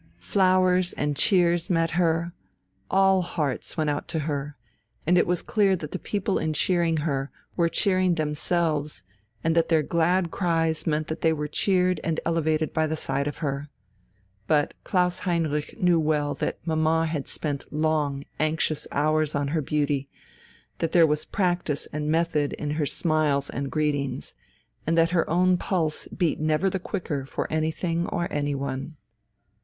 Flowers and cheers met her, all hearts went out to her, and it was clear that the people in cheering her were cheering themselves, and that their glad cries meant that they were cheered and elevated by the sight of her. But Klaus Heinrich knew well that mamma had spent long, anxious hours on her beauty, that there was practice and method in her smiles and greetings, and that her own pulse beat never the quicker for anything or anyone.